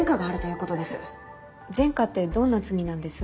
前科ってどんな罪なんです？